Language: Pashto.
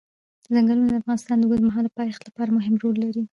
ځنګلونه د افغانستان د اوږدمهاله پایښت لپاره مهم رول لري.